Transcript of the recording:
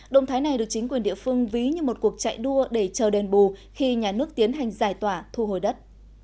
động thái này được chính quyền địa phương ví như một cuộc chạy đua để chờ đền bù khi nhà nước tiến hành giải tỏa thu hồi đất